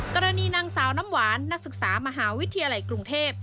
กรณีนางสาวน้ำหวานนักศึกษามหาวิทยาลัยกรุงเทพ